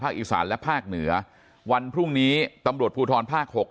อีสานและภาคเหนือวันพรุ่งนี้ตำรวจภูทรภาค๖